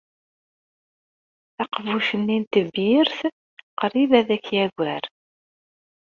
Aqbuc-nni n tebyirt qrib ad k-yagar.